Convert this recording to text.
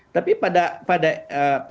tapi pada perangkatnya